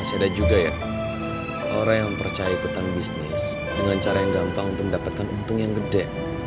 masih ada juga ya orang yang percaya ikutan bisnis dengan cara yang gampang untuk mendapatkan untung yang gede